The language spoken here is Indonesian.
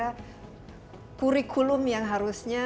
apa apa saja kira kira kurikulum yang harusnya